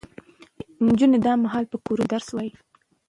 نجونې دا مهال په کورونو کې درس وايي.